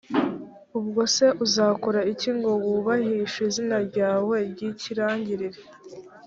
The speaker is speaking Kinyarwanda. ubwo se uzakora iki ngo wubahishe izina ryawe ry’ikirangirire?